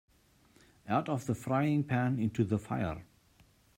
Out of the frying-pan into the fire.